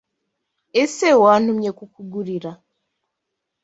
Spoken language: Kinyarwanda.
ese Wantumye kukugurira